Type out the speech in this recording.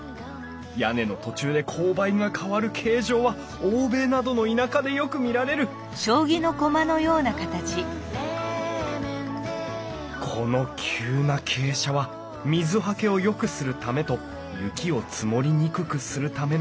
屋根の途中で勾配が変わる形状は欧米などの田舎でよく見られるこの急な傾斜は水はけをよくするためと雪を積もりにくくするためなんだよなあ